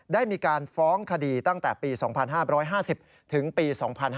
ได้มีการฟ้องคดีตั้งแต่ปี๒๕๕๐ถึงปี๒๕๕๙